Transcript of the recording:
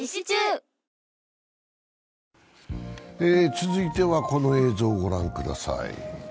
続いてはこの映像をご覧ください。